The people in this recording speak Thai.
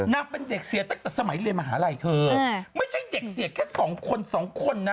นางเป็นเด็กเสียตั้งแต่สมัยเรียนมหาลัยเธอไม่ใช่เด็กเสียแค่สองคนสองคนนะ